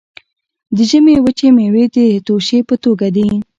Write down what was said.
د ژمي وچې میوې د توشې په توګه دي.